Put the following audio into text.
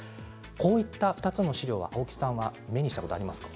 こういった２つの資料は青木さん目にされたことはありますか？